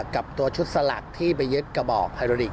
กับตัวชุดสลักที่ไปยึดกระบอกไฮโรดิก